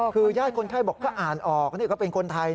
คือญาติคนไข้บอกก็อ่านออกนี่ก็เป็นคนไทย